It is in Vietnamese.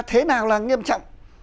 thế nào là nghiêm trọng